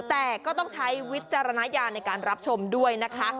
แต่ก็ต้องใช้วิจารณญาณในการรับชมด้วยนะคะ